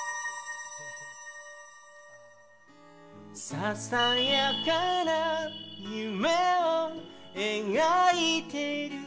「ささやかな夢を描いている」